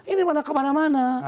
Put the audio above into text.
ini malah ke mana mana